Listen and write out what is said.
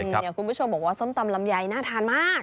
คุณผู้ชมบอกว่าส้มตำลำไยน่าทานมาก